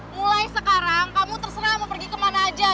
mulai sekarang kamu terserah mau pergi kemana aja